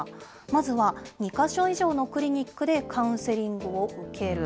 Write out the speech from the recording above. まずは２か所以上のクリニックでカウンセリングを受ける。